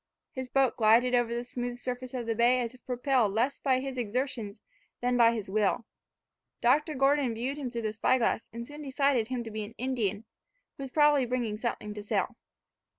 His boat glided over the smooth surface of the bay as if propelled less by his exertions than by his will. Dr. Gordon viewed him through the spy glass, and soon decided him to be an Indian, who was probably bringing something to sell.